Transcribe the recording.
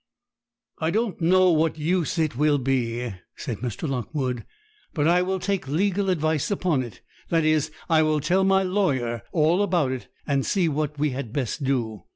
'I don't know what use it will be,' said Mr. Lockwood, 'but I will take legal advice upon it; that is, I will tell my lawyer all about it, and see what we had best do.